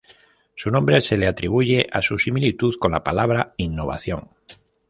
Su nombre se le atribuye a su similitud con la palabra innovación.